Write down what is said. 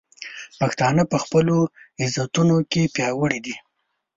پښتانه په خپلو عزتونو کې پیاوړي دي.